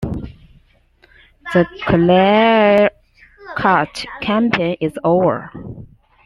The Kleercut campaign is over.